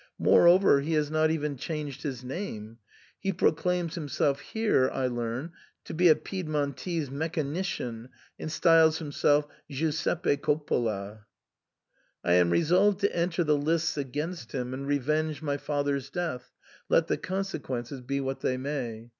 Moreover, he has not even changed his name. He proclaims himself here, I learn, to be a Piedmontese mechanician, and styles himself Giuseppe Coppola, I am resolved to enter the lists against him and re , venge my father's death, let the consequences be what they may.